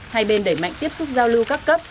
hai bên đẩy mạnh tiếp xúc giao lưu các cấp